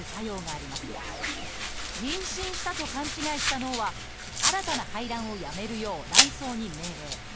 妊娠したと勘違いした脳は新たな排卵をやめるよう卵巣に命令。